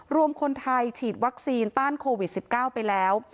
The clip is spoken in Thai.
รวมคนไทยฉีดวัคซีนต้านโควิด๑๙ไปแล้ว